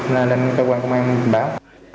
nên lên cơ quan công an báo